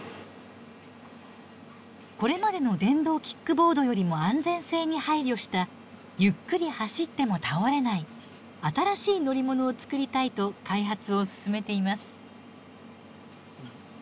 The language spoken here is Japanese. これまでの電動キックボードよりも安全性に配慮したゆっくり走っても倒れない新しい乗り物を作りたいと開発を進めています。